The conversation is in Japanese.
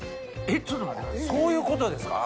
えっそういうことですか？